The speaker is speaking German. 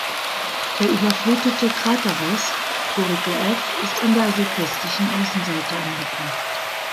Der überflutete Kraterrest Guericke F ist an der südwestlichen Außenseite angebracht.